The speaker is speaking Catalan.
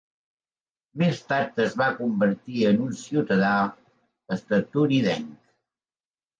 Més tard es va convertir en un ciutadà estatunidenc.